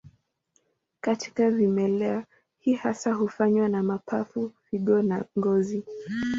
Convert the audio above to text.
Katika vimelea, hii hasa hufanywa na mapafu, figo na ngozi.